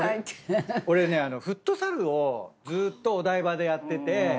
俺ねフットサルをずーっとお台場でやってて。